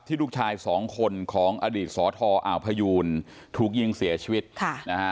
ลูกชายสองคนของอดีตสอทออ่าวพยูนถูกยิงเสียชีวิตค่ะนะฮะ